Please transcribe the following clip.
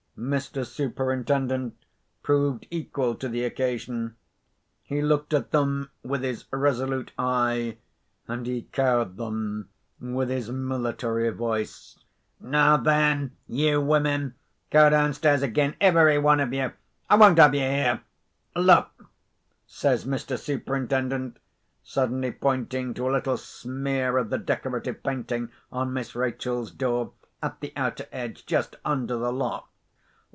Mr. Superintendent proved equal to the occasion; he looked at them with his resolute eye, and he cowed them with his military voice. "Now, then, you women, go downstairs again, everyone of you; I won't have you here. Look!" says Mr. Superintendent, suddenly pointing to a little smear of the decorative painting on Miss Rachel's door, at the outer edge, just under the lock.